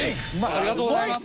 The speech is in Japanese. ありがとうございます。